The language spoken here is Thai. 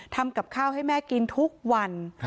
ทำกับข้าวให้แม่กินทุกวัน